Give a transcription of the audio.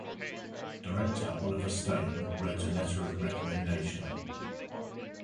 Director Oliver Stone wrote a letter of recommendation.